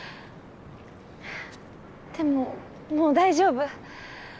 でももう大丈夫。